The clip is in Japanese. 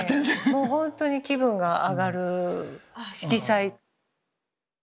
もうほんとに気分が上がる色彩。